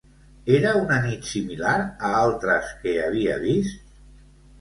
Era una nit similar a altres que havia vist?